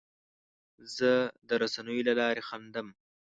زه د رسنیو له لارې خندم.